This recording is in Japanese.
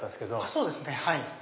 そうですねはい。